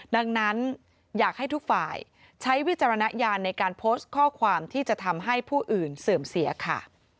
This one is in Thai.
ดังนั้นอยากให้ทุกฝ่ายใช้วิจารณญาณในการโพสต์ข้อความที่จะทำให้ผู้อื่นเสื่อมเสียค่ะ